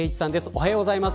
おはようございます。